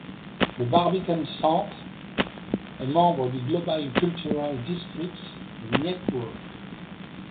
Le Barbican Centre est membre du Global Cultural Districts Network.